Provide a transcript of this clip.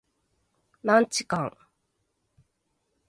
マンチカン